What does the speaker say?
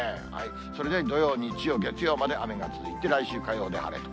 それで土曜、日曜、月曜まで雨が続いて、来週火曜で晴れと。